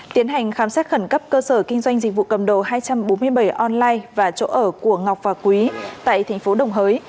tiến hành khám xét khẩn cấp cơ sở kinh doanh dịch vụ cầm đồ hai trăm bốn mươi bảy online và chỗ ở của ngọc và quý tại thành phố đồng hới